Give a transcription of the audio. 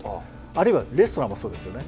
あるいはレストランもそうですよね。